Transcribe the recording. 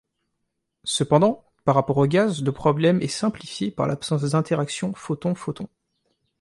Cependant, par rapport aux gaz, le problème est simplifié par l'absence d'interaction photon-photon.